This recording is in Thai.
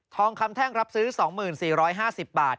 ทองคำแท่งซื้อ๒๔๐๕๐บาท